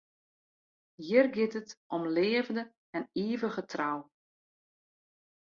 Hjir giet it om leafde en ivige trou.